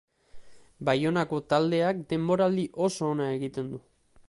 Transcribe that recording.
Baionako taldeak denboraldi oso ona egiten du.